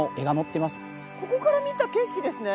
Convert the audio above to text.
ここから見た景色ですね。